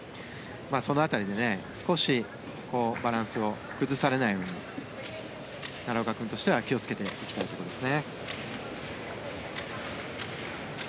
その辺りで少しバランスを崩されないように奈良岡君としては気をつけていきたいところです。